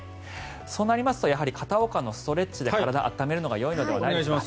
そうなりますと片岡のストレッチで体を温めるのがよいではないでしょうか。